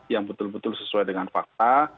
yang betul betul sesuai dengan fakta